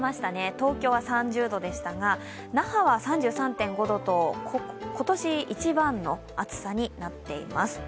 東京は３０度でしたが、那覇は３３．５度と今年一番の暑さになっています。